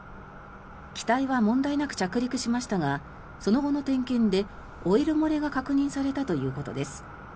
機体は問題なく着陸しましたがその後の点検でオイル漏れが確認されたということです。